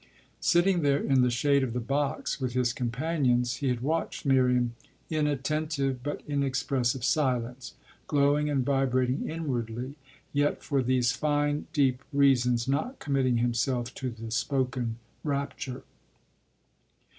Sitting there in the shade of the box with his companions he had watched Miriam in attentive but inexpressive silence, glowing and vibrating inwardly, yet for these fine, deep reasons not committing himself to the spoken rapture.